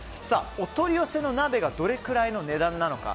お取り寄せの鍋がどれくらいの値段なのか。